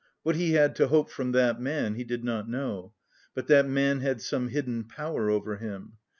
What he had to hope from that man he did not know. But that man had some hidden power over him.